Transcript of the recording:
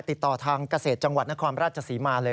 ติดต่อทางเกษตรจังหวัดนครราชศรีมาเลย